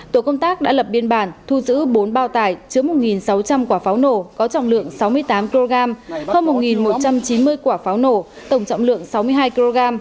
tổ công tác đã lập biên bản thu giữ bốn bao tải chứa một sáu trăm linh quả pháo nổ có trọng lượng sáu mươi tám kg hơn một một trăm chín mươi quả pháo nổ tổng trọng lượng sáu mươi hai kg